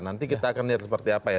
nanti kita akan lihat seperti apa ya